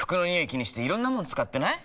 気にしていろんなもの使ってない？